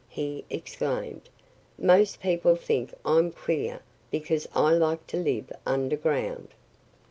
he exclaimed. "Most people think I'm queer because I like to live underground."